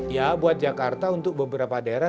ya buat jakarta untuk beberapa daerah